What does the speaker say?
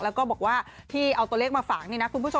แล้วก็บอกว่าที่เอาตัวเลขมาฝากนี่นะคุณผู้ชม